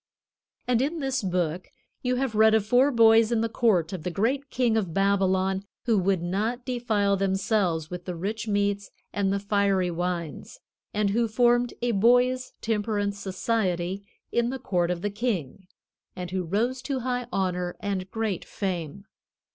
And in this Book you have read of four boys in the court of the great king of Babylon who would not defile themselves with the rich meats and the fiery wines, and who formed a boys' temperance society in the court of the king, and who rose to high honor and great fame.